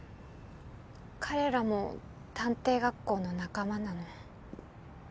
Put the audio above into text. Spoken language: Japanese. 彼らも探偵学校の仲間なの。